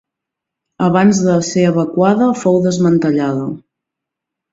Abans de ser evacuada fou desmantellada.